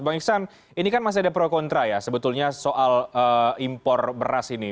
bang iksan ini kan masih ada pro kontra ya sebetulnya soal impor beras ini